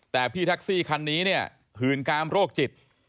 แต่พี่แท็กซี่คันนี้เนี่ยหืนกามโรคจิต